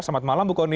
selamat malam bukoni